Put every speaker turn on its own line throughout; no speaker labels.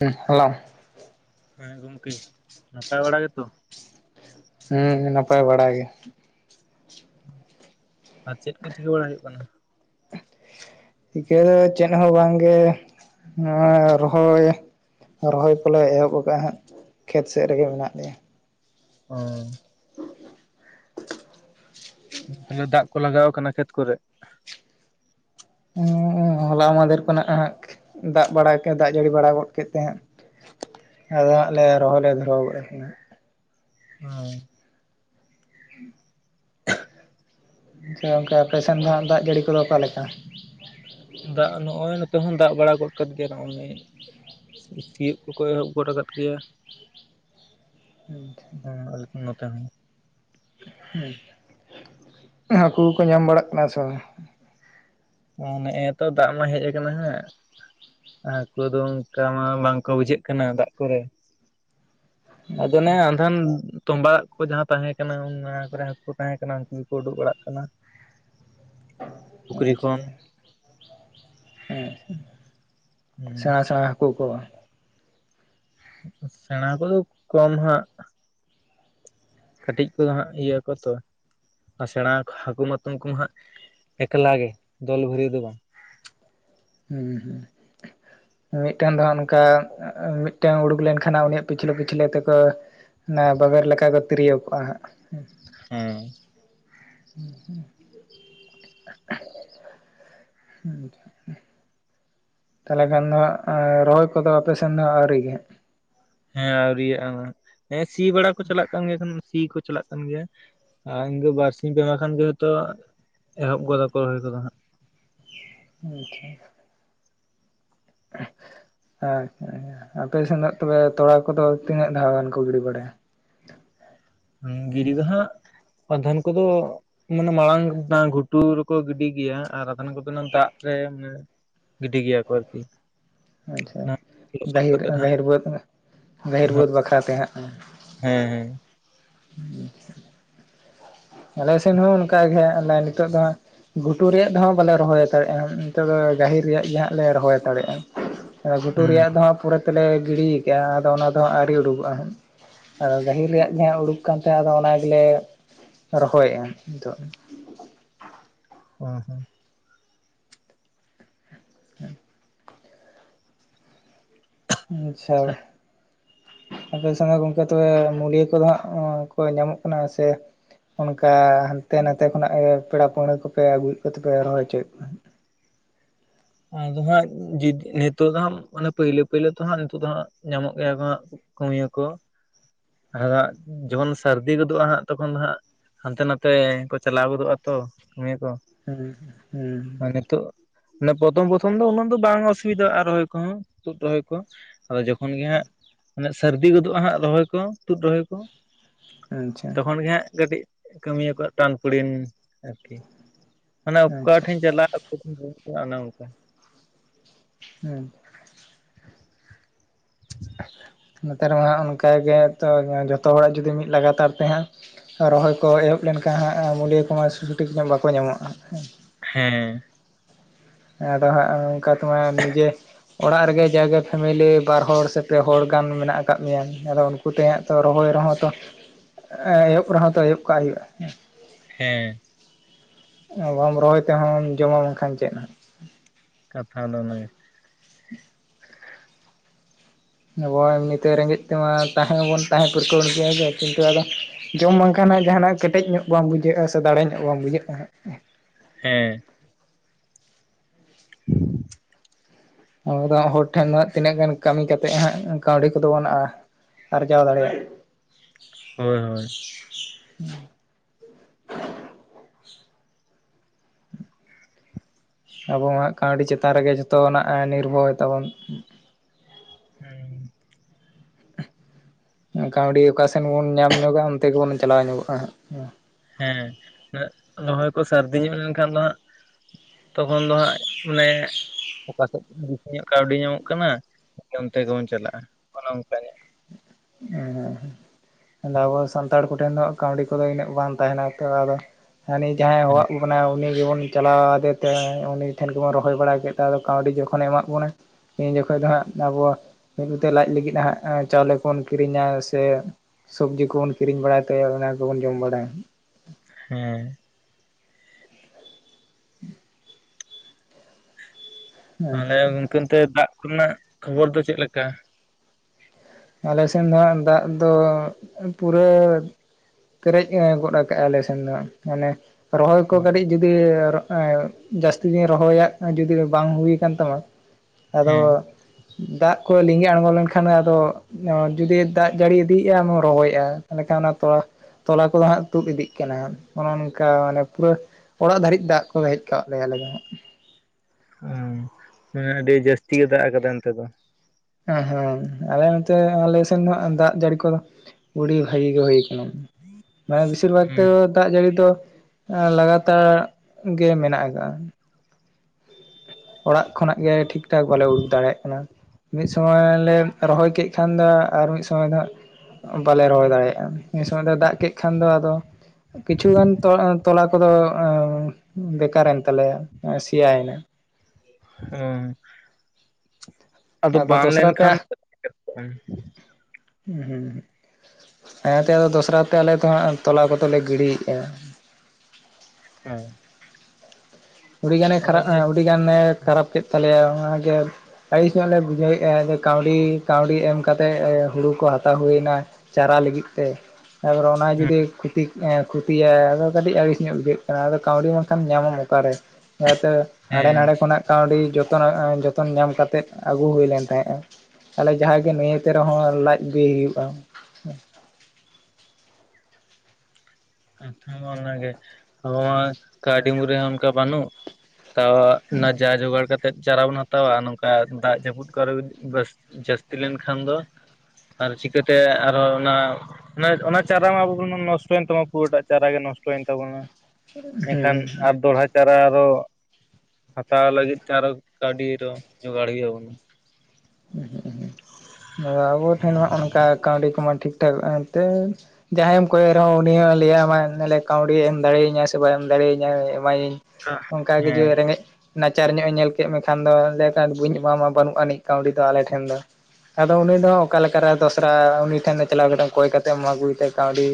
ᱦᱩᱸ ᱦᱮᱞᱳ,
ᱦᱮᱸ ᱜᱚᱢᱠᱮ ᱱᱟᱯᱟᱭ ᱵᱟᱲᱟ ᱜᱮᱛᱚ?
ᱦᱩᱸ ᱱᱟᱯᱟᱭ ᱵᱟᱲᱟ ᱜᱮ
ᱟᱨ ᱪᱮᱫ ᱠᱚ ᱪᱤᱠᱟᱹ ᱰᱟᱲᱟ ᱦᱩᱭᱩᱜ ᱠᱟᱱᱟ?
ᱤᱠᱟᱹ ᱪᱮᱫ ᱦᱚᱸ ᱵᱟᱝᱜᱮ ᱱᱚᱭ ᱨᱚᱦᱚᱭ ᱨᱚᱦᱚᱭ ᱠᱚᱞᱮ ᱮᱦᱚᱵ ᱟᱠᱟᱜ ᱦᱟᱸᱜ ᱠᱷᱮᱛ ᱥᱮᱫ ᱨᱮᱜᱮ ᱢᱮᱱᱟᱜ ᱞᱮᱧᱟᱹ᱾
[inaudible] ᱛᱟᱦᱚᱞᱮ ᱫᱟᱜ ᱠᱚ ᱞᱟᱜᱟᱣ ᱠᱟᱱᱟ ᱠᱷᱮᱛ ᱠᱚᱨᱮ?
ᱩᱸ-ᱩᱸᱦᱚᱞᱟ ᱢᱟᱫᱮᱨ ᱠᱷᱚᱱᱟᱜ ᱫᱟᱜ ᱵᱟᱲᱟ ᱠᱮᱫᱟ ᱫᱟᱜ ᱡᱟᱹᱲᱤ ᱵᱟᱲᱟ ᱜᱚᱫ ᱠᱮᱫᱛᱮ ᱦᱟᱸᱜ ᱟᱫᱚ ᱦᱟᱸᱜ ᱞᱮ ᱨᱚᱦᱚᱭ ᱞᱮ ᱫᱷᱩᱨᱟᱹᱣ ᱜᱚᱫ ᱠᱟᱱᱟ ᱾
[unintelligible]
ᱟᱪᱪᱷᱟ ᱚᱱᱠᱟ ᱟᱯᱮ ᱥᱮᱱ ᱱᱟᱦᱜ ᱫᱟᱜ ᱡᱟᱹᱲᱤ ᱠᱚᱫᱚ ᱚᱠᱟᱞᱮ ᱞᱮᱠᱟ?
ᱫᱟᱜ ᱱᱚᱜᱼᱚᱭ ᱱᱚᱛᱮ ᱦᱚᱸ ᱫᱟᱜ ᱵᱟᱲᱟ ᱜᱚᱫ ᱠᱟᱫ ᱜᱮᱭᱟ ᱱᱚᱜᱼᱚᱭ᱾ ᱥᱤᱭᱩᱜ ᱠᱚᱠᱚ ᱮᱦᱚᱵ ᱜᱚᱫ ᱟᱠᱟᱫ ᱜᱮᱭᱟ᱾
[inaudible]
[unintelligible] ᱱᱚᱛᱮ ᱦᱚᱸ᱾
ᱦᱟᱹᱠᱩ ᱠᱚ ᱧᱟᱢ ᱵᱟᱲᱟᱜ ᱠᱟᱱᱟ ᱥᱮ ᱵᱟᱝ?
ᱚ ᱱᱮᱜᱼ ᱮ ᱛᱚ ᱫᱟᱜ ᱢᱟ ᱦᱮᱡ ᱟᱠᱟᱱᱟ ᱦᱟᱜ᱾ ᱦᱟᱹᱠᱩ ᱫᱚ ᱚᱱᱠᱟ ᱢᱟ ᱵᱟᱝᱠᱚ ᱵᱩᱡᱷᱟᱹᱜ ᱠᱟᱱᱟ, ᱫᱟᱜ ᱠᱚᱨᱮ᱾ ᱟᱫᱚ ᱱᱮ ᱟᱫᱟᱱ ᱛᱚᱸᱵᱟᱜ ᱦᱟᱹᱠᱩ ᱡᱟᱦᱟᱸ ᱛᱟᱦᱮᱸ ᱠᱟᱱᱟ ᱩᱱ ᱚᱱᱟ ᱠᱚᱨᱮ ᱦᱟᱹᱠᱩ ᱛᱟᱦᱮᱸ ᱠᱟᱱᱟ ᱩᱱᱠᱩ ᱜᱮᱠᱚ ᱩᱰᱩᱠ ᱵᱟᱲᱟᱜ ᱠᱟᱱᱟ ᱯᱩᱠᱷᱨᱤ
ᱟᱪᱪᱷᱟ
ᱠᱷᱚᱱ
[inaudible] ᱮᱸ ᱟᱪᱪᱷᱟ
ᱦᱩᱸ
ᱥᱮᱬᱟ ᱥᱮᱬᱟ ᱦᱟᱹᱠᱩ ᱠᱚ
ᱥᱮᱬᱟ ᱦᱟᱹᱠᱩ ᱫᱚ ᱠᱚᱢ ᱦᱟᱸᱜ ᱠᱟᱹᱴᱤᱡ ᱠᱚ ᱫᱚ ᱤᱭᱟᱹᱜ ᱟᱠᱚ ᱛᱚ ᱟᱨ ᱥᱮᱬᱟ ᱦᱟᱹᱠᱩ ᱢᱟᱛᱚᱢ ᱩᱱᱠᱩ ᱢᱟ ᱦᱟᱸᱜ ᱮᱠᱞᱟ ᱜᱮ ᱫᱚᱞ ᱵᱷᱟᱹᱜᱤᱭᱟᱹ ᱫᱚ ᱵᱟᱝ
ᱦᱩᱸ ᱦᱩᱸ ᱢᱤᱫᱴᱟᱝ ᱫᱚ ᱱᱚᱝᱠᱟ ᱢᱤᱫᱴᱟᱝ ᱩᱰᱩᱠ ᱞᱮᱱᱠᱷᱟᱱ ᱩᱱᱤᱭᱟᱜ ᱯᱤᱪᱷᱞᱟᱹ ᱯᱤᱪᱷᱞᱟᱹ ᱛᱮ ᱠᱚ ᱚᱱᱮ ᱵᱟᱵᱮᱨ ᱞᱮᱠᱟ ᱠᱚ ᱛᱤᱨᱭᱟᱹᱶ ᱠᱚᱜᱼᱟ ᱦᱟᱸᱜ
ᱦᱮᱸ,
[inaudible] ᱛᱟᱦᱚᱞᱮ ᱠᱷᱟᱱ ᱫᱚ ᱦᱟᱸᱜ ᱨᱚᱦᱚᱭ ᱠᱚ ᱫᱚ ᱚᱯᱮᱥᱮᱱ ᱦᱟᱜ ᱟᱣᱨᱤ ᱜᱮ
ᱦᱮᱸ ᱟᱹᱣᱨᱤᱭᱟᱜ-ᱟ ᱱᱮᱜ-ᱮ ᱥᱤ ᱵᱟᱲᱟ ᱠᱚ ᱪᱟᱞᱟᱜ ᱠᱟᱱᱟ ᱱᱤᱛᱚᱜ ᱮᱠᱷᱟᱱ ᱥᱤ ᱠᱚ ᱪᱟᱞᱟᱜ ᱠᱟᱱ ᱜᱮᱭᱟ ᱟᱨ ᱵᱟᱨᱥᱤᱧ ᱯᱮ ᱠᱷᱟᱱ ᱜᱮ ᱦᱚᱭᱛᱚ ᱮᱦᱚᱵ ᱜᱚᱫ ᱟᱠᱚ ᱨᱚᱦᱚᱭ ᱠᱚ ᱫᱚ ᱦᱟᱸᱜ
ᱟᱪᱪᱷᱟ ᱦᱳᱭ ᱦᱳᱭ ᱟᱯᱮ ᱥᱮᱱ ᱫᱚ ᱛᱚᱵᱮ ᱛᱚᱲᱟ ᱠᱚ ᱫᱚ ᱛᱤᱱᱟᱹᱜ ᱫᱷᱟᱣ ᱜᱟᱱ ᱠᱚ ᱜᱤᱰᱤ ᱵᱟᱲᱟᱭᱟ
ᱜᱤᱨᱤ ᱫᱚ ᱦᱟᱸᱜ ᱟᱫᱷᱟᱱ ᱠᱚ ᱫᱚ ᱢᱟᱱᱮ ᱢᱟᱲᱟᱝ ᱜᱷᱩᱴᱩ ᱨᱮ ᱠᱚ ᱜᱤᱰᱤ ᱜᱮᱭᱟ ᱟᱨ ᱟᱫᱷᱟᱱ ᱠᱚ ᱫᱚ ᱫᱟᱜ ᱨᱮ ᱢᱟᱱᱮ ᱜᱤᱰᱤ ᱜᱮᱭᱟ ᱠᱚ ᱟᱨ ᱠᱤ
ᱟᱪᱪᱷᱟ ᱜᱟᱹᱦᱤᱨ
ᱠᱟᱛᱮᱫ ᱦᱟᱸᱜ
ᱜᱟᱹᱦᱤᱨ ᱵᱟᱹᱫᱽ ᱜᱟᱹᱦᱤᱨ ᱵᱟᱹᱫᱽ ᱵᱟᱠᱷᱨᱟ ᱛᱮ ᱦᱟᱸᱜ
ᱦᱮᱸ ᱦᱮᱸ
[inaudible] ᱟᱞᱮ ᱥᱮᱱ ᱦᱚᱸ ᱚᱱᱠᱟ ᱜᱮ ᱦᱟᱜ ᱱᱤᱛᱚᱜ ᱫᱚ ᱦᱟᱸᱜ ᱜᱷᱩᱴᱩ ᱨᱮᱭᱟᱜᱼᱫ ᱦᱚ ᱵᱟᱞᱮ ᱨᱚᱦᱚᱭ ᱦᱟᱛᱟᱨᱮᱜ-ᱟ ᱾ ᱱᱤᱛᱚᱜ ᱫᱚ ᱜᱟᱹᱦᱤᱨ ᱨᱮᱭᱟᱜ ᱜᱮ ᱦᱟᱸᱜ ᱞᱮ ᱨᱚᱦᱚᱭ ᱦᱟᱛᱟᱨᱮᱜ -ᱟ ᱜᱷᱩᱴᱩ
ᱦᱩᱸ
ᱨᱮᱭᱟᱜ ᱫᱚ ᱦᱟᱸᱜ ᱯᱚᱨᱮ ᱛᱮᱞᱮ ᱜᱤᱲᱤ ᱠᱟᱜᱼᱟ ᱟᱫᱚ ᱚᱱᱟ ᱫᱚᱜ ᱟᱹᱣᱨᱤ ᱩᱰᱩᱚᱜᱼᱟ ᱦᱟᱜ ᱟᱫᱚ ᱜᱟᱹᱦᱤᱨ ᱨᱮᱭᱟᱜ ᱩᱰᱩᱠ ᱠᱟᱱ ᱛᱮᱸᱫ ᱟᱫᱚ ᱚᱱᱟ ᱜᱮᱞᱮ ᱨᱚᱦᱚᱭᱮᱜᱼᱟ ᱱᱤᱛᱚᱜ
ᱦᱸ ᱦᱮᱸ
ᱦᱮᱸ [inaudible] ᱟᱪᱪᱷᱟ
ᱦᱚᱸ
ᱟᱯᱮ ᱥᱮᱱᱟᱜ ᱜᱚᱝᱠᱮ ᱛᱚᱵᱮ ᱢᱩᱞᱭᱤᱭᱟᱹ ᱠᱚ ᱫᱚ ᱦᱟᱸᱜ ᱠᱚ ᱧᱟᱢᱚᱜ ᱠᱟᱱᱟ ᱥᱮ ᱚᱱᱠᱟ ᱦᱟᱱᱛᱮ ᱱᱟᱛᱮ ᱠᱷᱚᱱᱟᱜ ᱜᱮ ᱯᱮᱲᱟ ᱯᱟᱹᱲᱦᱟᱹ ᱠᱚᱯᱮ ᱟᱹᱜᱩᱭᱮᱫ ᱠᱚᱛᱮᱯᱮ ᱨᱚᱦᱚᱭ ᱦᱚᱪᱚᱭᱮᱫ ᱠᱚᱣᱟ
ᱫᱚ ᱦᱟᱸᱜ ᱱᱤᱛᱚᱜ ᱫᱚ ᱦᱟᱸᱜ ᱢᱟᱱᱮ ᱯᱟᱹᱭᱞᱳ ᱯᱟᱹᱭᱞᱳ ᱫᱚ ᱦᱟᱸᱜ ᱱᱤᱛᱚᱜ ᱫᱚ ᱦᱟᱸᱜ ᱧᱟᱢᱚᱜ ᱜᱮᱭᱟ ᱠᱚ ᱦᱟᱸᱜ ᱠᱩᱢᱤᱭᱟᱹ ᱠᱚ ᱟᱨ ᱡᱚᱠᱷᱚᱱ ᱥᱟᱹᱨᱫᱤ ᱜᱚᱫᱚᱜᱼᱟ ᱦᱟᱸᱜ ᱛᱚᱠᱷᱚᱱ ᱫᱚ ᱦᱟᱸᱜ ᱦᱟᱱᱛᱮ ᱱᱟᱛᱮ ᱠᱚ ᱪᱟᱞᱟᱣ ᱜᱚᱫᱚᱜᱼᱟ ᱛᱚ ᱠᱟᱹᱢᱤᱭᱟᱹ ᱠᱚ
ᱦᱩᱸ ᱦᱩᱸ
ᱢᱮ ᱯᱨᱚᱛᱷᱚᱢ ᱯᱨᱚᱛᱷᱚᱢ ᱫᱚ ᱩᱱᱟᱹᱜ ᱫᱚ ᱵᱟᱝ ᱚᱥᱩᱵᱤᱫᱟᱜᱼᱟ ᱟᱨ ᱨᱚᱦᱚᱭ ᱠᱚᱦᱚᱸ ᱛᱩᱫ ᱨᱚᱦᱚᱭ ᱠᱚ ᱟᱫᱚ ᱡᱚᱠᱷᱚᱱ ᱜᱮ ᱦᱟᱸᱜ ᱥᱟᱹᱨᱫᱤ ᱜᱚᱫᱚᱜᱼᱟ ᱦᱟᱸ ᱨᱚᱦᱚᱭ ᱠᱚ ᱛᱩᱫ ᱨᱚᱦᱚᱭ ᱠᱚ
ᱟᱪᱪᱷᱟ
ᱛᱚᱠᱷᱚᱱ ᱜᱮ ᱦᱟᱸᱜ ᱠᱟᱹᱴᱤᱡ ᱠᱟᱹᱢᱤᱭᱟᱹ ᱠᱚ ᱴᱟᱱ ᱯᱩᱲᱤᱱ ᱟᱨᱠᱤ ᱢᱟᱱᱮ
ᱟᱪᱪᱷᱟ
ᱚᱠᱟᱴᱷᱮᱱ ᱪᱟᱞᱟᱜ ᱚᱠᱟ [unintelligible] ᱚᱱᱮ ᱚᱱᱠᱟ
ᱦᱮᱸ ᱱᱮᱛᱟᱨ ᱢᱟᱟᱸᱜ ᱚᱱᱠᱟᱜᱮᱛᱚ ᱡᱷᱚᱛᱚ ᱦᱚᱲᱟᱜ ᱡᱩᱫᱤ ᱢᱤᱫ ᱞᱟᱜᱟᱛᱟᱨ ᱛᱮ ᱦᱟᱸᱜ ᱨᱚᱦᱚᱭ ᱠᱚ ᱮᱦᱚᱵ ᱞᱮᱱᱠᱷᱟᱱ ᱦᱟᱸᱜ ᱢᱩᱞᱭᱟᱹ ᱠᱚ ᱢᱟ ᱥᱚᱴᱷᱤᱠ ᱢᱟ ᱵᱟᱠᱚ ᱧᱟᱢᱚᱜᱼᱟ ᱦᱟᱜ ᱠᱷᱟᱱ
ᱦᱮᱸ
ᱫᱚ ᱦᱟᱸᱜ ᱚᱱᱠᱟ ᱛᱮᱢᱟ ᱱᱤᱡᱮ ᱚᱲᱟᱜ ᱨᱮᱜᱮ ᱡᱟᱜᱮ ᱯᱷᱮᱢᱮᱞᱤ ᱵᱟᱨ ᱦᱚᱲ ᱥᱮ ᱯᱮ ᱦᱚᱲ ᱜᱟᱱ ᱢᱮᱱᱟᱜ ᱟᱠᱟᱫ ᱢᱮᱭᱟ ᱟᱫᱚ ᱩᱱᱠᱩ ᱩᱱᱠᱩ ᱛᱮ ᱦᱟᱸᱜ ᱛᱚ ᱨᱚᱦᱚᱭ ᱨᱮᱦᱚᱸ ᱛᱚ ᱮᱦᱚᱵ ᱨᱮᱦᱚᱸ ᱛᱚ ᱮᱦᱚᱵ ᱠᱟᱜ ᱦᱩᱭᱩᱜᱼᱟ
ᱦᱮᱸ
ᱵᱟᱢ ᱨᱚᱦᱚᱭ ᱛᱮ ᱦᱚᱸᱚᱢ ᱡᱚᱢᱟᱢ ᱦᱟᱜᱠᱷᱟᱱ ᱪᱮᱫ ᱦᱟᱸᱜ
ᱠᱟᱛᱷᱟ ᱫᱚ ᱚᱱᱟ ᱜᱮ
[inaudible] ᱟᱵᱚ ᱮᱢᱱᱤᱛᱮ ᱨᱮᱸᱜᱮᱡ ᱛᱮᱢᱟ ᱛᱟᱦᱮᱸ ᱦᱚᱸᱵᱚᱱ ᱛᱟᱦᱮᱸ ᱯᱟᱹᱨᱠᱟᱹᱣ [inaudible] ᱜᱮ ᱠᱤᱱᱛᱩ ᱟᱫᱚ ᱡᱚᱢ ᱵᱟᱝᱠᱷᱟᱱ ᱡᱟᱦᱟᱱᱟᱜ ᱠᱮᱴᱮᱡ ᱧᱚᱜ ᱵᱟᱝ ᱵᱩᱡᱷᱟᱹᱜᱼᱟ ᱥᱮ ᱫᱟᱲᱮ ᱧᱚᱜ ᱵᱟᱝ ᱵᱩᱡᱷᱟᱹᱜᱼᱟ
ᱦᱮᱸ
ᱟᱫᱚ ᱦᱚᱲ ᱴᱷᱮᱱ ᱫᱚ ᱛᱤᱱᱟᱹᱜ ᱜᱟᱱ ᱠᱟᱹᱢᱤ ᱠᱟᱛᱮᱫ ᱦᱟᱜ ᱠᱟᱹᱣᱰᱤ ᱠᱚᱫᱚ ᱵᱚᱱ ᱟᱨᱡᱟᱣ ᱫᱟᱲᱮᱭᱟᱜᱼᱟ
ᱦᱳᱭ ᱦᱳᱭ
ᱟᱵᱚᱣᱟᱜ ᱠᱟᱹᱣᱰᱤ ᱪᱮᱛᱟᱱ ᱨᱮᱜᱮ ᱡᱚᱛᱚᱱᱟᱜ ᱱᱤᱨᱵᱷᱚᱨ ᱛᱟᱵᱚᱱ
ᱦᱮᱸ
ᱠᱟᱹᱣᱰᱤ ᱚᱠᱟᱥᱮᱱ ᱵᱚᱱ ᱧᱟᱢ ᱧᱚᱜᱼᱟ ᱚᱱᱛᱮ ᱜᱮᱵᱚᱱ ᱪᱟᱞᱟᱣ ᱧᱚᱜᱚᱜᱼᱟ
ᱦᱮᱸ ᱨᱚᱦᱚᱭ ᱠᱚ ᱥᱟᱹᱨᱫᱤ ᱧᱚᱜ ᱞᱮᱱᱠᱷᱟᱱ ᱫᱚ ᱦᱟᱸᱜ ᱛᱚᱠᱷᱚᱱ ᱫᱚ ᱦᱟᱜ ᱢᱟᱱᱮ ᱚᱠᱟᱥᱮᱫ ᱵᱮᱥᱤ ᱧᱚᱜ ᱠᱟᱹᱣᱰᱤ ᱧᱟᱢᱚᱜ ᱠᱟᱱᱟ ᱚᱱᱛᱮ ᱜᱮᱵᱚᱱ ᱪᱟᱞᱟᱜ-ᱟ ᱚᱱᱮ ᱚᱱᱠᱟ ᱧᱚᱜ
ᱦᱮ ᱟᱵᱚ ᱥᱟᱱᱛᱟᱲ ᱠᱚᱴᱷᱮᱱ ᱫᱚ ᱠᱟᱹᱣᱰᱤ ᱠᱚᱫᱚ ᱩᱱᱟᱹᱜ ᱵᱟᱝ ᱛᱟᱦᱮᱱᱟ ᱛᱚ ᱦᱟᱹᱱᱤ ᱡᱟᱦᱟᱭ
ᱦᱮᱸ
ᱦᱚᱣᱟᱜ ᱩᱱᱤ ᱜᱮᱵᱚᱱ ᱪᱟᱞᱟᱣ ᱟᱫᱮ ᱛᱮ ᱩᱱᱤ ᱴᱷᱮᱱ ᱜᱮᱵᱚᱱ ᱨᱚᱦᱚᱭ ᱵᱟᱲᱟ ᱠᱮᱫ ᱛᱮ ᱟᱫᱚ ᱠᱟᱹᱣᱰᱤ ᱡᱚᱠᱷᱚᱱ ᱮᱢᱟᱜ ᱵᱚᱱᱟ ᱤᱧ ᱡᱚᱠᱷᱚᱱ ᱫᱚ ᱦᱟᱜ ᱟᱵᱚ [unintelligible] ᱛᱮ ᱞᱟᱡ ᱞᱟᱹᱜᱤᱫ ᱦᱟᱜ ᱪᱟᱣᱞᱮ ᱵᱚᱱ ᱠᱤᱨᱤᱧᱟ ᱥᱮ ᱥᱚᱵᱽᱡᱤ ᱠᱚᱵᱚᱱ ᱠᱤᱨᱤᱧ ᱵᱟᱲᱟᱭ ᱛᱮ ᱚᱱᱟ ᱠᱚᱵᱚᱱ ᱡᱚᱢ ᱵᱟᱲᱟᱭᱟ
ᱦᱮᱸ
[inaudible]
ᱛᱟᱦᱞᱮ
ᱟᱪᱪᱷᱟ
ᱜᱚᱝᱠᱮ ᱚᱱᱛᱮ ᱫᱟᱜ ᱠᱚᱨᱮᱱᱟᱜ ᱠᱷᱚᱵᱚᱨ ᱫᱚ ᱪᱮᱫ ᱞᱮᱠᱟ
ᱟᱞᱮᱥᱮᱱ ᱫᱚ ᱫᱟᱜ ᱫᱚ ᱯᱩᱨᱟᱹ ᱯᱮᱨᱮᱡ ᱮ ᱜᱚᱫ ᱠᱟᱜᱼᱟ ᱟᱞᱮ ᱥᱮᱱ ᱫᱚ ᱾ ᱢᱟᱱᱮ ᱨᱚᱦᱚᱭ ᱠᱚ ᱠᱟᱹᱴᱤᱡ ᱡᱩᱫᱤ [unintelligible] ᱡᱟᱹᱥᱛᱤ [unintelligible] ᱨᱚᱦᱚᱭᱟᱜ ᱡᱩᱫᱤ ᱵᱟᱝ ᱦᱩᱭ ᱟᱠᱟᱱ ᱛᱟᱢᱟ
ᱦᱮᱸ
ᱟᱫᱚ ᱫᱟᱜ ᱠᱚ ᱞᱤᱸᱜᱤ ᱟᱸᱬᱜᱚ ᱞᱮᱱᱠᱷᱟᱱ ᱟᱫᱚ ᱡᱩᱫᱤ ᱫᱟᱜ ᱡᱟᱹᱲᱤ ᱤᱫᱤᱭᱮᱫᱼᱟ ᱟᱢ ᱨᱚᱦᱚᱭᱮᱜᱼᱟ ᱛᱟᱦᱚᱞᱮ ᱠᱷᱟᱱ ᱚᱱᱟ ᱛᱚ ᱛᱚᱞᱟ ᱠᱚᱫᱚ ᱦᱟᱜ ᱛᱩᱫ ᱤᱫᱤᱜ ᱠᱟᱱᱟ ᱚᱱᱮ ᱚᱱᱠᱟ ᱢᱟᱱᱮ ᱯᱩᱨᱟᱹ ᱚᱲᱟᱜ ᱫᱷᱟᱹᱨᱤᱡ ᱫᱟᱜ ᱠᱚ ᱦᱮᱡ ᱠᱟᱜ ᱞᱮᱭᱟᱜ ᱟᱞᱮ ᱫᱚ
ᱚ ᱢᱟᱱᱮ ᱟᱹᱰᱤ ᱡᱟᱹᱥᱛᱤ ᱜᱮ ᱫᱟᱜ ᱠᱟᱫᱟ ᱚᱱᱛᱮ ᱫᱚ
ᱦᱮᱸ ᱦᱮᱸ ᱟᱞᱮ ᱱᱚᱛᱮ ᱟᱞᱮ ᱥᱮᱱ ᱫᱚ ᱦᱟᱸᱜ ᱫᱟᱜ ᱡᱟᱹᱲᱤ ᱠᱚᱫᱚ ᱩᱰᱤ ᱵᱷᱟᱜᱤ ᱜᱮ ᱦᱩᱭ ᱠᱟᱱᱟ ᱾ ᱢᱟᱱᱮ ᱵᱤᱥᱤᱨ ᱵᱷᱟᱜ ᱛᱮ
ᱦᱩᱸ
ᱫᱟᱜ ᱡᱟᱹᱲᱤ ᱫᱚ ᱞᱟᱜᱟᱛᱟᱨ ᱜᱮ ᱢᱮᱱᱟᱜ ᱠᱟᱜᱼᱟ ᱾ ᱚᱲᱟᱜ ᱠᱷᱚᱱᱟᱜ ᱜᱮ ᱴᱷᱤᱠ ᱴᱷᱟᱠ ᱵᱟᱞᱮ ᱩᱰᱩᱠ ᱫᱟᱲᱮᱭᱟᱜ ᱠᱟᱱᱟ ᱾ ᱢᱤᱫ ᱥᱚᱢᱚᱭ ᱞᱮ ᱨᱚᱦᱚᱭ ᱠᱮᱫ ᱠᱷᱟᱱ ᱫᱚ ᱟᱨ ᱢᱤᱫ ᱥᱚᱢᱚᱭ ᱫᱚ ᱦᱟᱸᱜ ᱵᱟᱞᱮ ᱨᱚᱦᱚᱲ ᱫᱟᱲᱮᱭᱟᱜᱼᱟ ᱾ ᱱᱤᱭᱟᱹ ᱥᱚᱢᱚᱭ ᱫᱚ ᱫᱟᱜ ᱠᱮᱫ ᱠᱷᱟᱱ ᱫᱚ ᱟᱫᱚ ᱠᱤᱪᱷᱩ ᱜᱟᱱ ᱛᱚ ᱛᱚᱞᱟ ᱠᱚᱫᱚ ᱵᱮᱠᱟᱨᱮᱱ ᱛᱟᱞᱮᱭᱟ ᱥᱮᱭᱟᱭᱮᱱᱟ ᱾
ᱚ ᱟᱫᱚ ᱵᱟᱱ
ᱫᱚᱥᱨᱟ ᱛᱮ
ᱞᱮᱱᱠᱷᱟᱱ
ᱦᱩᱸ ᱦᱩᱸ ᱚᱱᱟ ᱛᱮ ᱟᱫᱚ ᱫᱚᱥᱨᱟ ᱛᱮ ᱟᱞᱮ ᱫᱚ ᱦᱟᱸᱜ ᱛᱚᱞᱟ ᱠᱚᱫᱚ ᱞᱮ ᱜᱤᱲᱤᱭᱮᱫᱟ ᱾
ᱦᱮᱸ ᱾
ᱩᱰᱤ ᱜᱟᱱᱮ ᱠᱷᱟᱨᱟᱯ
ᱚᱱᱮ
ᱩᱰᱤ ᱜᱟᱱᱮ ᱠᱷᱟᱨᱟᱯ ᱠᱮᱫ ᱛᱟᱞᱮᱭᱟ ᱚᱱᱟᱜᱮ ᱟᱹᱲᱤᱥ ᱧᱚᱜ ᱞᱮ ᱵᱩᱡᱷᱟᱹᱣᱮᱫ-ᱟ ᱡᱮ ᱠᱟᱹᱣᱰᱤ ᱠᱟᱹᱣᱰᱤ ᱮᱢ ᱠᱟᱛᱮᱫ ᱦᱩᱲᱩ ᱠᱚ ᱦᱟᱛᱟᱣ ᱦᱩᱭᱮᱱᱟ ᱾ ᱪᱟᱨᱟ ᱞᱟᱹᱜᱤᱫ ᱛᱮ ᱛᱟᱯᱚᱨᱮ ᱚᱱᱟ
ᱦᱮᱸ
ᱡᱩᱫᱤ ᱠᱷᱩᱛᱤ ᱮᱸ ᱠᱷᱩᱛᱤᱭᱟᱭ ᱟᱫᱚ ᱠᱟᱹᱴᱤᱡ ᱟᱹᱲᱤᱥ ᱧᱚᱜ ᱵᱩᱡᱟᱹᱜ ᱠᱟᱱᱟ ᱟᱫᱚ ᱠᱟᱹᱣᱰᱤ ᱵᱟᱝᱠᱷᱟᱱ ᱧᱟᱢᱟᱢ ᱚᱠᱟᱨᱮ ᱟᱫᱚ ᱦᱟᱸᱰᱮ
ᱦᱮᱸ
ᱱᱟᱰᱮ ᱠᱷᱚᱱᱟᱜ ᱠᱟᱹᱣᱰᱤ ᱡᱚᱛᱚ ᱡᱚᱛᱚᱱ ᱧᱟᱢ ᱠᱟᱛᱮᱫ ᱟᱹᱜᱩ ᱦᱩᱭ ᱞᱮᱱ ᱛᱟᱦᱮᱸᱜᱼᱟ ᱾ ᱛᱟᱦᱞᱮ ᱡᱟᱦᱟᱭ ᱜᱮ ᱱᱤᱭᱟᱹᱛᱮ ᱨᱮᱦᱚᱸ ᱞᱟᱡ ᱵᱤ ᱦᱩᱭᱩᱜᱼᱟ ᱾
ᱟᱪᱪᱷᱟ ᱢᱟ ᱚᱱᱟᱜᱮ [unintelligible] ᱠᱟᱹᱣᱰᱤ ᱢᱤ ᱦᱚᱸ ᱚᱱᱠᱟ ᱵᱟᱹᱱᱩᱜ ᱾ ᱛᱚᱻ ᱚᱱᱟ ᱡᱟ ᱡᱚᱜᱟᱲ ᱠᱟ ᱼᱛᱮᱫ ᱪᱟᱨᱟ ᱵᱚᱱ ᱦᱟᱛᱟᱣᱟ ᱱᱚᱝᱠᱟ ᱫᱟᱜ ᱡᱟᱹᱯᱩᱫ ᱠᱚᱨᱮ ᱡᱟᱹᱥᱛᱤ ᱞᱮᱱᱠᱷᱟᱱ ᱫᱚ ᱟᱨ ᱪᱤᱠᱟᱹᱛᱮ ᱟᱨᱦᱚ ᱚᱱᱟ ᱚᱱᱟ ᱪᱟᱨᱟ ᱢᱟ ᱟᱵᱚ [unintelligible] ᱱᱚᱥᱴᱚᱭᱮᱱ ᱛᱟᱢᱟ ᱾ ᱯᱩᱨᱟᱹᱴᱟᱜ ᱪᱟᱨᱟ ᱜᱮ ᱱᱚᱥᱴᱚᱭᱮᱱ ᱛᱟᱵᱚᱱᱟ ᱮᱱᱠᱷᱟᱱ
ᱦᱮᱸ
ᱟᱨ ᱫᱚᱲᱦᱟ ᱪᱟᱨᱟ ᱫᱚ ᱦᱟᱛᱟᱣ ᱞᱟᱹᱜᱤᱫ ᱛᱮ ᱟᱨᱚ ᱠᱟᱹᱣᱰᱤ ᱨᱚ ᱡᱚᱜᱟᱲ ᱦᱳᱭᱳᱜᱼᱟ ᱩᱱ ᱾
ᱦᱩᱸ ᱦᱩᱸ ᱟᱵᱚ ᱴᱷᱮᱱ ᱢᱟ ᱚᱱᱠᱟ ᱠᱟᱹᱣᱰᱤ ᱠᱚᱢᱟ ᱴᱷᱤᱠ ᱴᱷᱟᱠ ᱮᱱᱛᱮ ᱡᱟᱦᱟᱸᱭᱮᱢ ᱠᱚᱭᱮ ᱨᱮᱦᱚᱸ ᱩᱱᱤ ᱦᱚᱸ ᱞᱟᱹᱭᱟᱢᱟᱭ ᱞᱮ ᱠᱟᱹᱣᱰᱤ ᱮᱢ ᱫᱟᱲᱮᱭᱟᱹᱧᱟ ᱥᱮ ᱵᱟᱭ ᱮᱢ ᱫᱟᱲᱮᱭᱟᱹᱧᱟ ᱮᱢᱟᱭᱟᱹᱧ ᱾ ᱚᱝᱠᱟ ᱜᱮ
ᱦᱮᱸ
ᱡᱩᱫᱤ ᱨᱮᱸᱜᱮᱡ ᱱᱟᱪᱟᱨ ᱧᱚᱜ ᱮ ᱧᱮᱞ ᱠᱮᱜ ᱢᱮᱠᱷᱟᱱ ᱫᱚᱸ ᱞᱟᱹᱭᱟ ᱛᱚ ᱵᱟᱹᱧ ᱮᱢᱟᱢᱟ ᱵᱟᱹᱱᱩᱜ ᱟᱹᱱᱤᱡ ᱾ ᱠᱟᱹᱣᱰᱤ ᱫᱚ ᱟᱞᱮ ᱴᱷᱮᱱ ᱫᱚ ᱾ ᱟᱫᱚ ᱩᱱᱤ ᱫᱚ ᱚᱠᱟ ᱞᱮᱠᱟᱨᱮ ᱫᱚᱥᱨᱟ ᱩᱱᱤ ᱴᱷᱮᱱ ᱪᱟᱞᱟᱣ ᱠᱟᱛᱮ ᱠᱚᱭ ᱠᱟᱛᱮ ᱮᱢ ᱟᱹᱜᱩᱭ ᱛᱟᱭ ᱠᱟᱹᱣᱰᱤ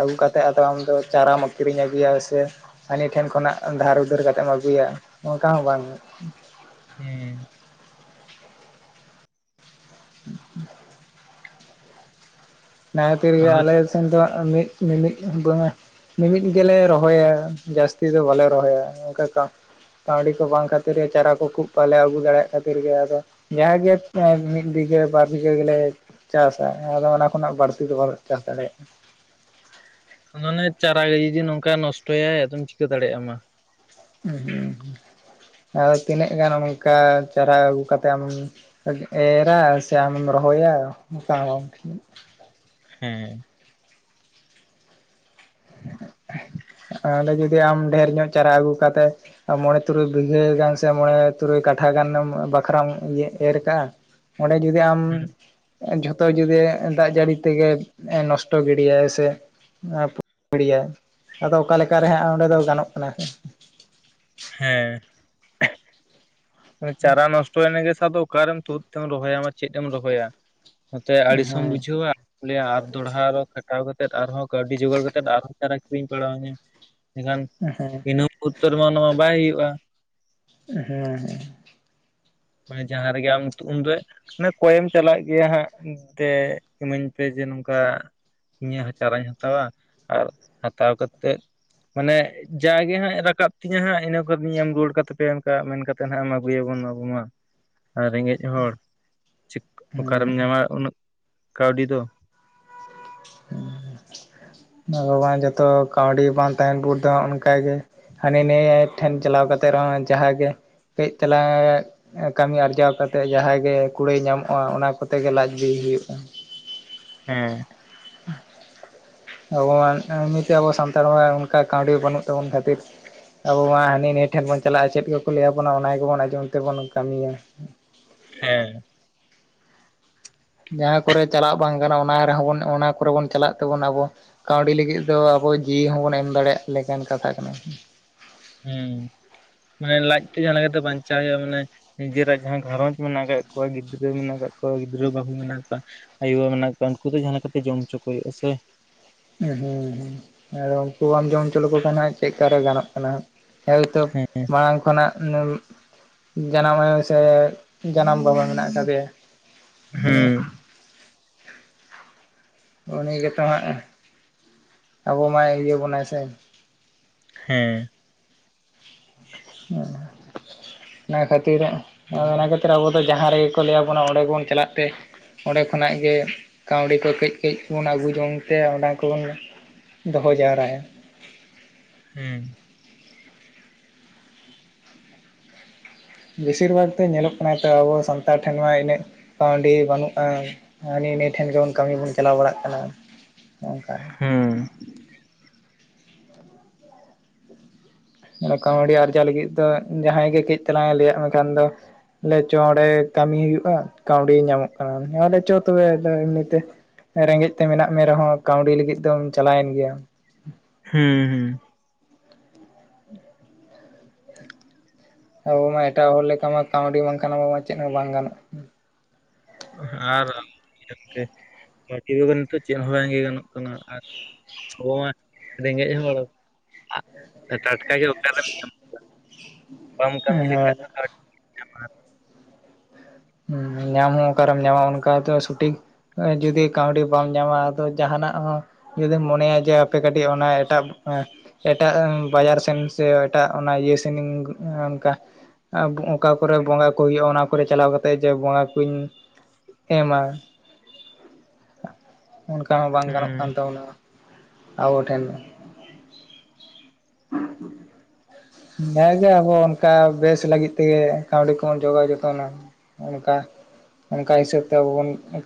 ᱟᱹᱜᱩ ᱠᱟᱛᱮᱜ ᱟᱫᱚ ᱟᱢ ᱫᱚ ᱪᱟᱨᱟᱢ ᱟᱠᱠᱷᱤᱨᱤᱧ ᱟᱹᱜᱩᱭᱟ ᱥᱮ ᱦᱟᱹᱱᱤ ᱴᱷᱮᱱ ᱠᱷᱚᱱᱟᱜ ᱫᱷᱟᱨ ᱩᱫᱷᱟᱹᱨ ᱠᱟᱛᱮᱢ ᱟᱹᱜᱩᱭᱟ ᱚᱝᱠᱟ ᱦᱚᱸ ᱵᱟᱝ
ᱦᱮᱸᱻ
[inaudible] ᱚᱱᱟ ᱛᱮᱜᱮ
ᱟᱫᱚ
ᱟᱞᱮ ᱥᱮᱱ ᱫᱚ ᱢᱤᱫ ᱢᱤᱜ ᱢᱤᱜ ᱫᱚᱢᱮ ᱢᱤᱢᱤᱫ ᱜᱮᱞᱮ ᱨᱚᱦᱚᱭᱟ ᱡᱟᱹᱥᱛᱤ ᱫᱚ ᱵᱟᱞᱮ ᱨᱚᱦᱚᱭᱟ ᱚᱝᱠᱟ ᱠᱟ- ᱠᱟᱹᱣᱰᱤ ᱠᱚ ᱵᱟᱝ ᱠᱷᱟᱹᱛᱤᱨ ᱜᱮ ᱪᱟᱨᱟ ᱠᱚ ᱠᱷᱩᱵ ᱵᱟᱞᱮ ᱟᱹᱜᱩ ᱫᱟᱲᱮᱭᱟᱜ ᱠᱷᱟᱹᱛᱤᱨ ᱜᱮ ᱟᱫᱚ ᱡᱟ ᱜᱮ ᱢᱤᱫ ᱵᱤᱜᱷᱟᱹ ᱵᱟᱨ ᱵᱤᱜᱷᱟᱹ ᱜᱮᱞᱮ ᱪᱟᱥᱟ ᱟᱫᱚ ᱚᱱᱟ ᱠᱷᱚᱱᱟᱜ ᱵᱟᱹᱲᱛᱤ ᱫᱚ ᱵᱟᱞᱮ ᱪᱟᱥ ᱫᱟᱲᱮᱭᱟᱜᱼᱟ ᱾
ᱢᱟᱱᱮ ᱪᱟᱨᱟ ᱜᱮ ᱡᱩᱫᱤ ᱱᱚᱝᱠᱟ ᱱᱚᱥᱴᱚᱭᱟᱭ ᱟᱫᱚᱢ ᱪᱤᱠᱟᱹ ᱫᱟᱲᱮᱭᱟᱜᱼᱟ ᱢᱟ ᱾
ᱩᱸ ᱦᱩᱸ ᱟᱫᱚ ᱛᱤᱱᱟᱹᱜ ᱜᱟᱱ ᱚᱝᱠᱟ ᱪᱟᱨᱟ ᱟᱹᱜᱩ ᱠᱟᱛᱮᱫ ᱟᱢᱮᱢ ᱮᱨᱟ ᱥᱮ ᱟᱢᱮᱢ ᱨᱚᱦᱚᱭᱟ [unintelligible]
ᱦᱩᱸ ᱾
ᱟᱫᱚ ᱡᱩᱫᱤ ᱟᱢ ᱰᱷᱮᱨ ᱧᱚᱜ ᱪᱟᱨᱟ ᱟᱹᱜᱩ ᱠᱟᱛᱮ ᱢᱚᱬᱮ ᱛᱩᱨᱩᱭ ᱵᱤᱜᱷᱟᱹ ᱜᱟᱱ ᱥᱮ ᱢᱚᱬᱮ ᱛᱩᱨᱩᱭ ᱠᱟᱴᱷᱟ ᱜᱟᱱᱮᱢ ᱵᱟᱠᱷᱨᱟᱢ ᱤᱭᱟᱹ ᱮᱨ ᱠᱟᱜᱼᱟ ᱚᱸᱰᱮ ᱡᱩᱫᱤ ᱟᱢ ᱡᱷᱚᱛᱚ ᱡᱩᱫᱤ ᱫᱟᱜ ᱡᱟᱹᱲᱤ ᱛᱮᱜᱮ ᱱᱚᱥᱴᱚ ᱜᱤᱰᱤᱭᱟᱭ ᱥᱮ [unintelligible] ᱟᱫᱚ ᱚᱠᱟ ᱞᱮᱠᱮ ᱨᱮ ᱦᱟᱸᱜ ᱚᱸᱰᱮ ᱫᱚ ᱜᱟᱱᱚᱜ ᱠᱟᱱᱟ ᱾
ᱦᱮᱸ ᱪᱟᱨᱟ ᱱᱚᱥᱴᱚᱭᱱᱟ ᱜᱮ ᱥᱟᱶ ᱫᱚ ᱚᱠᱟᱨᱮᱢ ᱛᱳᱫ ᱛᱮᱢ ᱨᱚᱦᱚᱭᱟ ᱪᱮᱫ ᱮᱢ ᱨᱚᱦᱚᱭᱟ? ᱱᱚᱛᱮ ᱟᱹᱲᱤᱥ ᱦᱚᱸᱢ
ᱦᱮᱸ
ᱵᱩᱡᱷᱟᱹᱣᱟ ᱾ ᱞᱟᱹᱭᱟ ᱟᱨ ᱫᱚᱲᱦᱟ ᱨᱮ ᱠᱷᱟᱴᱟᱣ ᱠᱟᱛᱮᱫ ᱟᱨᱦᱚᱸ ᱠᱟᱹᱣᱰᱤ ᱡᱚᱜᱟᱲ ᱠᱟᱛᱮᱫ ᱟᱨᱦᱚᱸ ᱪᱟᱨᱟ ᱠᱤᱨᱤᱧ ᱯᱟᱲᱟᱣ ᱟᱹᱧᱟ ᱾ ᱢᱮᱠᱷᱟᱱ
[unintelligible]
ᱤᱱᱟᱹ ᱯᱩᱛᱚᱨ ᱢᱟ ᱱᱚᱣᱟ ᱵᱟᱭ ᱦᱳᱭᱳᱜᱼᱟ ᱾
ᱩᱸ ᱦᱩᱸ
ᱢᱟᱱᱮ ᱡᱟᱦᱟᱸ ᱨᱮᱜᱮ ᱟᱢ ᱩᱱ ᱫᱚ ᱢᱟᱱᱮ ᱠᱚᱭᱮᱢ ᱪᱟᱞᱟᱜ ᱜᱮᱭᱟ ᱦᱟᱸᱜ ᱫᱮ ᱤᱢᱟᱹᱧ ᱯᱮ ᱡᱮ ᱱᱚᱝᱠᱟ ᱱᱤᱭᱟᱹ ᱦᱚᱸ ᱪᱟᱨᱟᱧ ᱦᱟᱛᱟᱣᱟ ᱟᱨ ᱦᱟᱛᱟᱣ ᱠᱟᱛᱮᱫ ᱢᱟᱱᱮ ᱡᱟᱭᱜᱮ ᱦᱟᱸᱜ ᱨᱟᱠᱟᱵ ᱛᱤᱧᱟᱹ ᱦᱟᱸᱜ ᱤᱱᱟᱹ [unintelligible] ᱮᱢ ᱨᱩᱣᱟᱹᱲ ᱠᱟᱛᱮ ᱯᱮ ᱮᱢ ᱠᱟᱜ ᱢᱮᱱ ᱠᱟᱛᱮ ᱱᱟᱸᱜ ᱮᱢ ᱟᱹᱜᱩᱭᱟᱵᱚᱱ ᱟᱵᱚ ᱢᱟ ᱟᱨ ᱨᱮᱸᱜᱮᱡ ᱦᱚᱲ ᱪᱤᱠ ᱚᱠᱟᱨᱮᱢ
ᱦᱮᱸ
ᱧᱟᱢᱟ ᱩᱱᱟᱹᱜ ᱠᱟᱹᱣᱰᱤ ᱫᱚ ᱾
ᱩᱸ [unintelligible] ᱡᱚᱛᱚ ᱠᱟᱹᱣᱰᱤ ᱵᱟᱝ ᱛᱟᱦᱮᱱ ᱵᱩᱴ ᱫᱚ ᱚᱱᱠᱟ ᱜᱮ ᱦᱟᱱᱮ ᱱᱮᱭᱟᱹ ᱴᱷᱮᱱ ᱪᱟᱞᱟᱣ ᱠᱟᱛᱮᱫ ᱨᱮᱦᱚᱸ ᱡᱟᱦᱟᱸᱜᱮ ᱠᱟᱹᱡ ᱛᱮᱞᱟᱝ ᱠᱟᱹᱢᱤ ᱟᱨᱡᱟᱣ ᱠᱟᱛᱮᱜ ᱡᱟᱦᱟᱸᱭ ᱜᱮ ᱠᱩᱲᱟᱹᱭ ᱧᱟᱢᱚᱜᱼᱟ ᱚᱱᱟ ᱠᱚᱛᱮ ᱜᱮ ᱞᱟᱡ ᱵᱤ ᱦᱩᱭᱩᱜᱼᱟ
ᱦᱮᱸ
ᱟᱵᱚ [unintelligible] ᱮᱢᱱᱤᱛᱮ ᱟᱵᱚ ᱥᱟᱱᱛᱟᱲ [unintelligible] ᱚᱱᱠᱟ ᱠᱟᱹᱣᱰᱤ ᱵᱟᱹᱱᱩᱜ ᱛᱟᱵᱚᱱ ᱠᱷᱟᱹᱛᱤᱨ ᱟᱵᱚ ᱢᱟ ᱦᱟᱹᱱᱤ ᱱᱤᱭᱟᱹ ᱴᱷᱮᱱ ᱵᱚᱱ ᱪᱟᱞᱟᱜᱼᱟ ᱪᱮᱫ ᱠᱚᱠᱚ ᱞᱟᱹᱭᱟᱵᱚᱱᱟ ᱚᱱᱟ ᱜᱮᱵᱚᱱ ᱟᱸᱡᱚᱢ ᱛᱮᱵᱚᱱ ᱠᱟᱹᱢᱤᱭᱟ
ᱦᱮᱸ
ᱡᱟᱦᱟᱸ ᱠᱚᱨᱮ ᱪᱟᱞᱟᱜ ᱵᱟᱝ ᱜᱟᱱᱚᱜᱼᱟ ᱚᱱᱟ ᱨᱮᱦᱚᱸ ᱵᱚᱱ ᱚᱱᱟ ᱠᱚᱨᱮ ᱵᱚᱱ ᱪᱟᱞᱟᱜ ᱛᱮᱵᱚᱱ ᱟᱵᱚ ᱠᱟᱹᱣᱰᱤ ᱞᱤᱜᱤᱜ ᱫᱚ ᱟᱵᱚ ᱡᱤᱣᱤ ᱦᱚᱸᱵᱚᱱ ᱮᱢ ᱫᱟᱲᱮᱭᱟᱜ ᱞᱮᱠᱟᱱ ᱠᱟᱛᱷᱟ ᱠᱟᱱᱟ ᱾
ᱦᱩᱸ ᱢᱟᱱᱮ ᱞᱟᱡ ᱛᱮ ᱡᱟᱦᱟᱸ ᱞᱮᱠᱟᱛᱮ ᱵᱟᱧᱪᱟᱣ ᱦᱳᱭᱳᱜᱼᱟ ᱢᱟᱱᱮ ᱱᱤᱡᱮᱨᱟᱜ ᱡᱟᱦᱟᱸ ᱜᱷᱟᱨᱚᱸᱡᱽ ᱢᱮᱱᱟᱜ ᱟᱠᱟᱜ ᱠᱚᱣᱟ ᱜᱤᱫᱽᱨᱟᱹ ᱢᱮᱱᱟᱜ ᱟᱠᱟᱫ ᱠᱚᱣᱟ ᱜᱤᱫᱽᱨᱟᱹ ᱵᱟᱹᱦᱩ ᱢᱮᱱᱟᱜ ᱠᱟ ᱟᱭᱳᱵᱟ ᱢᱮᱱᱟᱜ ᱠᱚᱣᱟ ᱩᱱᱠᱩ ᱫᱚ ᱡᱟᱦᱟᱸ ᱞᱮᱠᱟᱛᱮ ᱡᱚᱢ ᱪᱚ ᱠᱚ ᱦᱳᱭᱳᱜᱼᱟ ᱥᱮ
ᱩᱸ ᱦᱩᱸ ᱦᱩᱸ ᱟᱨ ᱩᱝᱠᱩ ᱵᱟᱢ ᱡᱚᱢ ᱪᱚ ᱞᱮᱠᱚ ᱠᱷᱟᱱ ᱦᱟᱸᱜ ᱪᱮᱜ ᱠᱟᱨᱮ ᱜᱟᱱᱚᱜ ᱠᱟᱱᱟ ᱦᱮᱭᱛᱚ
ᱦᱮᱸ
ᱢᱟᱲᱟᱝ ᱠᱷᱚᱱᱟᱜ ᱡᱟᱱᱟᱢ ᱟᱭᱳ ᱥᱮ ᱡᱟᱱᱟᱢ ᱵᱟᱵᱟ ᱢᱮᱱᱟᱜ ᱟᱠᱟᱫᱮᱭᱟ ᱢᱟᱱᱮ
ᱦᱩᱸ
[unintelligible] ᱩᱱᱤ ᱜᱮᱛᱚ ᱦᱟᱸᱜ ᱟᱵᱚ ᱢᱟᱭ ᱩᱭᱦᱟᱹᱨ ᱵᱚᱱᱟᱭ ᱥᱮ
ᱦᱮᱸ
ᱦᱮᱸ [unintelligible] ᱚᱱᱟ ᱠᱷᱟᱹᱛᱤᱨ ᱚᱱᱟ ᱠᱷᱟᱹᱛᱤᱨ ᱟᱵᱚ ᱡᱟᱦᱟᱸ ᱨᱮᱜᱮ ᱠᱚ ᱞᱟᱹᱭᱟᱵᱚᱱᱟ ᱚᱸᱰᱮ ᱜᱮᱵᱚᱱ ᱪᱟᱞᱟᱜ ᱛᱮ ᱚᱸᱰᱮ ᱠᱷᱚᱱᱟᱜ ᱜᱮ ᱠᱟᱹᱣᱰᱤ ᱠᱚ ᱠᱟᱹᱡ ᱠᱟᱹᱡ ᱵᱚᱱ ᱟᱹᱜᱩ ᱡᱚᱝ ᱛᱮ ᱚᱱᱟ ᱠᱚᱵᱚᱱ ᱫᱚᱦᱚ ᱡᱟᱣᱨᱟᱭᱟ
[unintelligible]
ᱵᱮᱥᱤᱨ ᱵᱷᱟᱜᱽᱛᱮ ᱧᱮᱞᱚᱜ ᱠᱟᱱᱟ ᱛᱚ ᱟᱵᱚ ᱥᱟᱱᱛᱟᱲ ᱴᱷᱮᱱ ᱢᱟ ᱤᱱᱟᱹᱜ ᱠᱟᱹᱣᱰᱤ ᱵᱟᱹᱱᱩᱜᱼᱟ ᱦᱟᱹᱱᱤ ᱱᱤᱭᱟᱹ ᱴᱷᱮᱱ ᱜᱮᱵᱚᱱ ᱠᱟᱹᱢᱤ ᱵᱚᱱ ᱪᱟᱞᱟᱣ ᱵᱟᱲᱟᱜ ᱠᱟᱱᱟ ᱚᱝᱠᱟ ᱮ ᱠᱟᱹᱣᱰᱤ ᱟᱨᱡᱟᱣ ᱞᱟᱹᱜᱤᱫ ᱫᱚ ᱡᱟᱦᱟᱸᱭ ᱜᱮ ᱠᱟᱹᱡ ᱛᱟᱞᱟᱝᱮ ᱞᱟᱹᱭᱟᱜ ᱢᱮᱠᱷᱟᱱ ᱫᱚ [unintelligible] ᱪᱚ ᱚᱸᱰᱮ ᱠᱟᱹᱢᱤ ᱦᱩᱭᱩᱜᱼᱟ ᱠᱟᱹᱣᱰᱤ ᱧᱟᱢᱚᱜ ᱠᱟᱱᱟ ᱟᱞᱮ ᱪᱚ ᱛᱚᱵᱮ ᱟ ᱮᱢᱱᱤᱛᱮ ᱨᱮᱸᱜᱮᱡ ᱛᱮ ᱢᱮᱱᱟᱜ ᱢᱮ ᱨᱮᱦᱚᱸ ᱠᱟᱹᱣᱰᱤ ᱞᱟᱹᱜᱤᱫ ᱫᱚᱢ ᱪᱟᱞᱟᱣᱮᱱ ᱜᱮᱭᱟ
ᱦᱮᱸ ᱦᱮᱸ
ᱟᱵᱚᱢᱟ ᱮᱴᱟᱜ ᱦᱚᱲ ᱞᱮᱠᱟᱢᱟ ᱠᱟᱹᱣᱰᱤ ᱵᱟᱝᱠᱷᱟᱱ ᱢᱟ ᱪᱮᱫ ᱦᱚᱸ ᱵᱟᱝ ᱜᱟᱱᱚᱜ
ᱟᱨ [unintelligible] ᱱᱤᱛᱚᱜ ᱪᱮᱫ ᱦᱚᱸ ᱵᱟᱝ ᱜᱮᱭ ᱜᱟᱱᱚᱜᱼᱟ ᱾ ᱟᱨ ᱟᱵᱚ ᱢᱟ ᱨᱮᱸᱜᱮᱡ ᱦᱚᱲ ᱴᱟᱴ ᱚᱱᱠᱟᱜᱮ ᱚᱠᱟᱨᱮᱢ ᱧᱟᱢ ᱠᱚᱣᱟ ᱵᱟᱢ ᱠᱟᱹᱢᱤ ᱞᱮᱠᱟᱡ
ᱦᱮᱸ
ᱫᱚ ᱧᱟᱢᱟ
[unintelligible] ᱧᱟᱢ ᱦᱚ ᱚᱠᱟᱨᱮᱢ ᱧᱟᱢᱟ [unintelligible] [unintelligible] ᱥᱩᱴᱷᱤᱠ ᱡᱩᱫᱤ ᱠᱟᱹᱣᱰᱤ ᱵᱟᱢ ᱧᱟᱢᱟ ᱟᱫᱚ ᱡᱟᱦᱟᱱᱟᱜ ᱦᱚᱸ ᱡᱩᱫᱤᱢ ᱢᱚᱱᱮᱭᱟ ᱡᱮ ᱦᱟᱯᱮ ᱠᱟᱹᱴᱤᱡ ᱚᱱᱟ ᱮᱴᱟᱜ ᱮᱴᱟᱜ ᱵᱟᱡᱟᱨ ᱥᱮᱱ ᱥᱮ ᱮᱴᱟᱜ ᱚᱱᱟ ᱤᱭᱟᱹ ᱥᱮᱱᱤ ᱚᱱᱠᱟ ᱚᱠᱟ ᱠᱚᱨᱮ ᱵᱚᱸᱜᱟ ᱠᱚ ᱦᱩᱭᱩᱜᱼᱟ ᱚᱱᱟ ᱠᱚᱨᱮ ᱪᱟᱞᱟᱣ ᱠᱟᱛᱮᱜ ᱛᱮ ᱡᱮ ᱵᱚᱸᱜᱟ ᱠᱩᱧ ᱮᱢᱟ ᱚᱱᱠᱟ ᱦᱚᱸ ᱵᱟᱝ ᱜᱟᱱᱚᱜ
ᱦᱩᱸ
ᱠᱟᱱ ᱛᱟᱵᱚᱱᱟ [unintelligible] ᱟᱵᱚ ᱴᱷᱮᱱ [unintelligible] ᱦᱮᱸ ᱜᱮ ᱟᱵᱚ ᱚᱱᱠᱟ ᱵᱮᱥ ᱞᱟᱹᱜᱤᱫ ᱛᱮᱜᱮ ᱠᱟᱹᱣᱰᱤ ᱠᱚᱵᱚᱱ ᱡᱚᱜᱟᱣ ᱡᱚᱛᱚᱱᱟ᱾ [unintelligible] ᱚᱱᱠᱟ ᱦᱤᱥᱟᱹᱵᱽ ᱛᱮ ᱟᱵᱚ ᱵᱚᱱ ᱠᱟᱹᱢᱤ